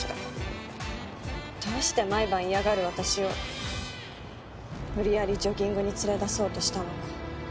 どうして毎晩嫌がる私を無理やりジョギングに連れ出そうとしたのか。